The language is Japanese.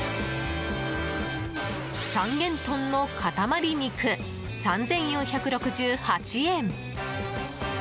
三元豚の塊肉、３４６８円。